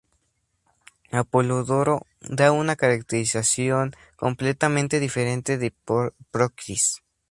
Apolodoro da una caracterización completamente diferente de Procris.